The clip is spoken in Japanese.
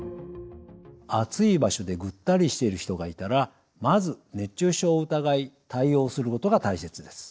暑い場所でぐったりしている人がいたらまず熱中症を疑い対応することが大切です。